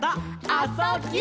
「あ・そ・ぎゅ」